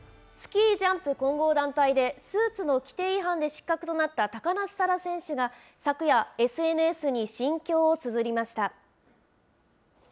スキージャンプ混合団体で、スーツの規定違反で失格となった高梨沙羅選手が、昨夜、ＳＮＳに心境をつづりました。